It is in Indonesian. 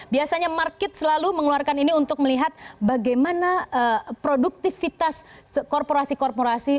biasanya market selalu mengeluarkan ini untuk melihat bagaimana produktivitas korporasi korporasi